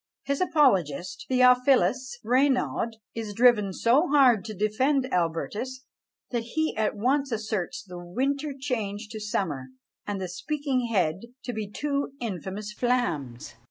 His apologist, Theophilus Raynaud, is driven so hard to defend Albertus, that he at once asserts the winter changed to summer and the speaking head to be two infamous flams!